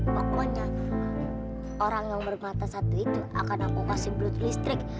pokoknya orang yang bermata satu itu akan aku kasih belut listrik